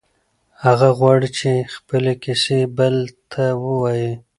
هغه غواړي چې خپلې کیسې بل ته ووایي.